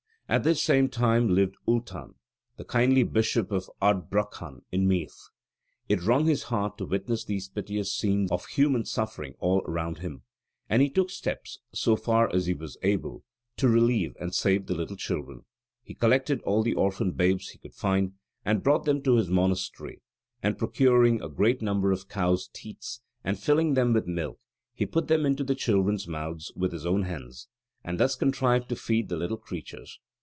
At this same time lived Ultan, the kindly bishop of Ardbraccan in Meath. It wrung his heart to witness these piteous scenes of human suffering all round him; and he took steps, so far as he was able, to relieve and save the little children. He collected all the orphan babes he could find, and brought them to his monastery; and procuring a great number of cows' teats, and filling them with milk, he put them into the children's mouths with his own hands, and thus contrived to feed the little creatures.